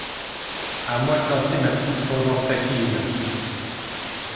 À moi de lancer ma petite vengeance taquine.